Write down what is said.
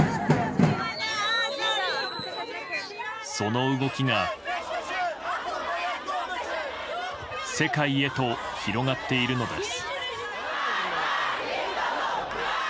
その動きが世界へと広がっているのです。